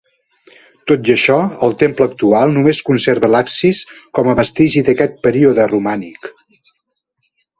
Tot i això, el temple actual només conserva l'absis com a vestigi d'aquest període romànic.